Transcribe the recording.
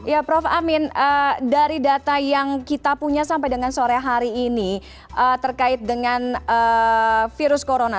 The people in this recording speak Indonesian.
ya prof amin dari data yang kita punya sampai dengan sore hari ini terkait dengan virus corona